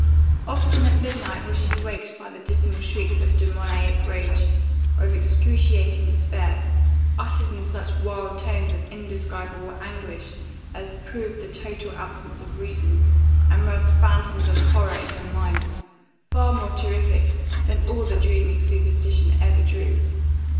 Often at midnight was she waked by the dismal shrieks of demoniac rage, or of excruciating despair, uttered in such wild tones of indescribable anguish as proved the total absence of reason, and roused phantoms of horror in her mind, far more terrific than all that dreaming superstition ever drew.